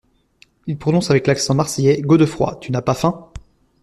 Il prononce avec l’accent marseillais. "Godefroid, tu n’as pas faim ?